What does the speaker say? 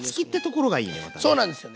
そうなんですよね。